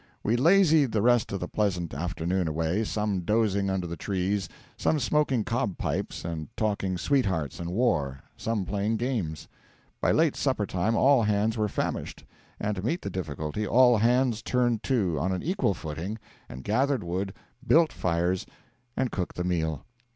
We lazied the rest of the pleasant afternoon away, some dozing under the trees, some smoking cob pipes and talking sweethearts and war, some playing games. By late supper time all hands were famished; and to meet the difficulty all hands turned to, on an equal footing, and gathered wood, built fires, and cooked the meal.